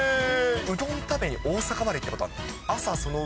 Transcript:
うどん食べに大阪まで行ったことあるの。